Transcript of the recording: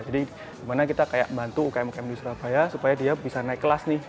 jadi dimana kita kayak bantu ukm ukm di surabaya supaya dia bisa naik kelas nih